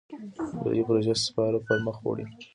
لویې پروژې سپاه پرمخ وړي.